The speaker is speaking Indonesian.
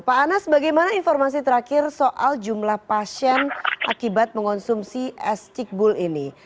pak anas bagaimana informasi terakhir soal jumlah pasien akibat mengonsumsi es cikbul ini